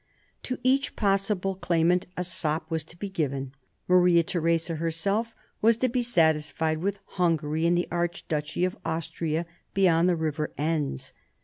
To each possible claimant a sop was to be given. Maria Theresa herself was to be satisfied with Hungary and the archduchy of Austria beyond the river Enns.